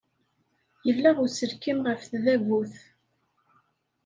Yella uselkim ɣef tdabut.